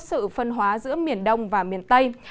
sự phân hóa giữa miền đông và miền tây